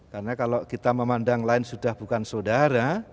karena kalau kita memandang lain sudah bukan saudara